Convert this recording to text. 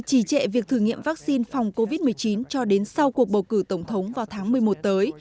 trì trệ việc thử nghiệm vaccine phòng covid một mươi chín cho đến sau cuộc bầu cử tổng thống vào tháng một mươi một tới